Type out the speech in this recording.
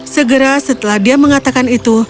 segera setelah dia mengatakan itu